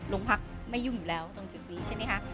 โรงพักไม่ยุ่งอยู่แล้วตรงจุดนี้ใช่ไหมคะ